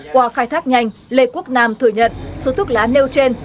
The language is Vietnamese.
qua khai thác nhanh lê quốc nam thừa nhận số thuốc lá nêu trên